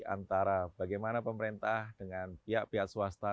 antara bagaimana pemerintah dengan pihak pihak swasta